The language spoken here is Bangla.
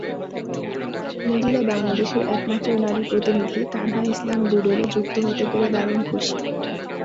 মজিলা বাংলাদেশের একমাত্র নারী প্রতিনিধি তানহা ইসলাম ডুডলে যুক্ত হতে পেরে দারুণ খুশি।